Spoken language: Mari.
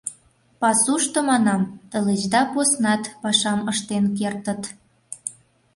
— Пасушто, манам, тылечда поснат пашам ыштен кертыт.